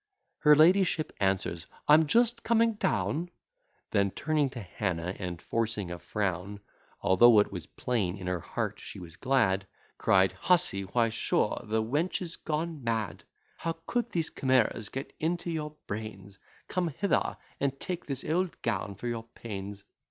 Her ladyship answers, "I'm just coming down:" Then, turning to Hannah, and forcing a frown, Although it was plain in her heart she was glad, Cried, "Hussey, why sure the wench is gone mad! How could these chimeras get into your brains! Come hither and take this old gown for your pains.